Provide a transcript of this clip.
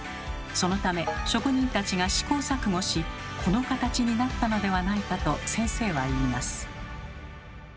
そのため職人たちが試行錯誤しこの形になったのではないかと先生は言います。